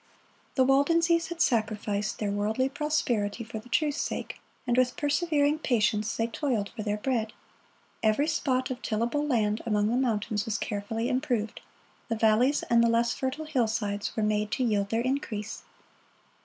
The Waldenses had sacrificed their worldly prosperity for the truth's sake, and with persevering patience they toiled for their bread. Every spot of tillable land among the mountains was carefully improved; the valleys and the less fertile hillsides were made to yield their increase.